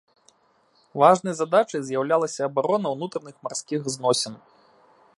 Важнай задачай з'яўлялася абарона ўнутраных марскіх зносін.